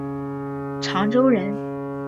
长洲人。